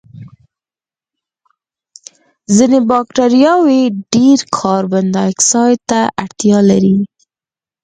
ځینې بکټریاوې ډېر کاربن دای اکسایډ ته اړتیا لري.